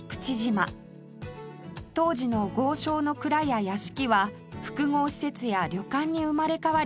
当時の豪商の蔵や屋敷は複合施設や旅館に生まれ変わり